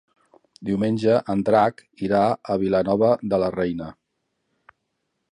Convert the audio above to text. Diumenge en Drac irà a Vilanova de la Reina.